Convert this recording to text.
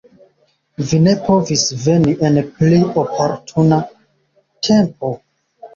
Vi ne povis veni en pli oportuna tempo.